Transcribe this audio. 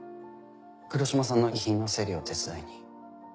黒島さんの遺品の整理を手伝いに。